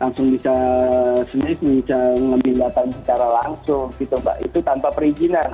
jemis bisa langsung bisa ngelembatan secara langsung gitu pak itu tanpa perizinan